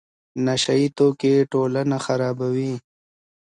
نشه یي توکي ټولنه خرابوي.